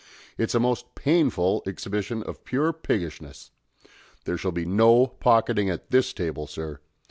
It's a most painful exhibition of pure piggishness. There shall be no pocketing at this table, sir.